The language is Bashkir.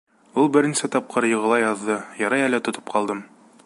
Ул бер нисә тапҡыр йығыла яҙҙы, ярай әле тотоп ҡалдым.